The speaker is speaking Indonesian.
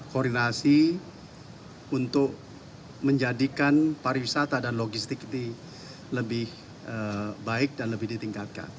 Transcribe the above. koordinasi untuk menjadikan pariwisata dan logistik ini lebih baik dan lebih ditingkatkan